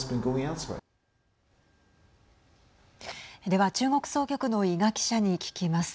では中国総局の伊賀記者に聞きます。